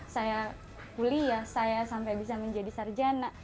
saya kuliah saya sampai bisa menjadi sarjana